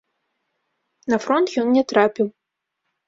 На фронт ён не трапіў.